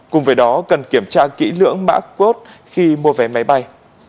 cùng với đó cần kiểm tra kỹ lưỡng mã cốt khi mua vé máy bay